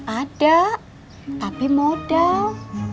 ada tapi modal